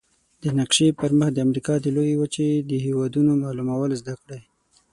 د نقشي پر مخ د امریکا د لویې وچې د هېوادونو معلومول زده کړئ.